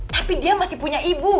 tapi dia masih punya ibu